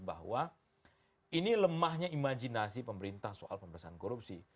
bahwa ini lemahnya imajinasi pemerintah soal pemberantasan korupsi